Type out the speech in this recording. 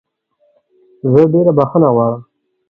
زه ډېره بخښنه غواړم